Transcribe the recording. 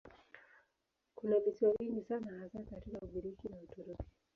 Kuna visiwa vingi sana hasa kati ya Ugiriki na Uturuki.